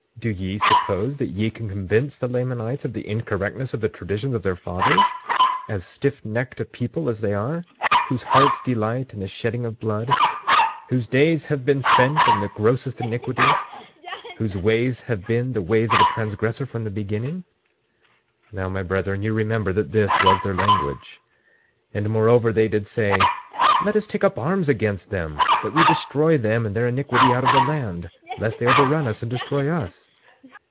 Do ye suppose that ye can convince the Lamanites of the incorrectness of the traditions of their fathers, as stiffnecked a people as they are; whose hearts delight in the shedding of blood; whose days have been spent in the grossest iniquity; whose ways have been the ways of a transgressor from the beginning? Now my brethren, ye remember that this was their language. 26:25 And moreover they did say: Let us take up arms against them, that we destroy them and their iniquity out of the land, lest they overrun us and destroy us.